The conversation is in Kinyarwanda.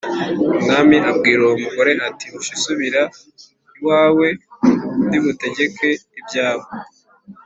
Umwami abwira uwo mugore ati “Hoshi subira iwawe, ndi butegeke ibyawe.”